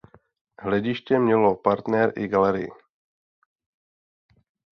Hlediště mělo partner i galerii.